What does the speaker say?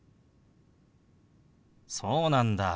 そうなんだ。